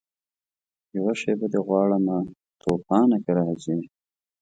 یوه شېبه دي غواړمه توپانه که راځې